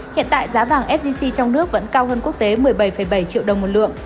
hiện tại giá vàng sgc trong nước vẫn cao hơn quốc tế một mươi bảy bảy triệu đồng một lượng